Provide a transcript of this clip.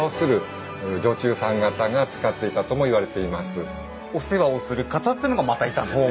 階段の上にあったのはお世話をする方っていうのがまたいたんですね。